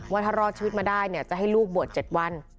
ว่าถ้ารอดชีวิตมาได้เนี่ยจะให้ลูกบวช๗วัน